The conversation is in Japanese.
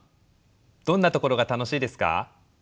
どんなところが楽しいですか？